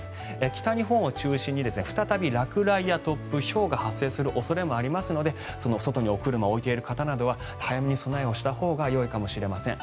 北日本を中心に再び落雷や突風ひょうが発生する可能性もありますのでその外にお車を置いている方などは早めに備えをしたほうがよいかもしれません。